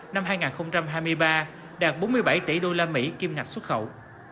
năm hai nghìn hai mươi ba đạt bốn mươi bảy tỷ usd kiêm ngạch xuất khẩu